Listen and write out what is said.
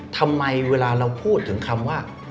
ทำไมเวลาเราพูดถึงคำว่า